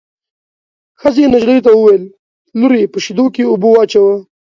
ښځې نجلۍ ته وویل: لورې په شېدو کې اوبه واچوه.